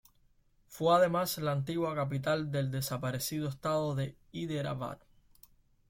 Fue además la antigua capital del desaparecido Estado de Hyderabad.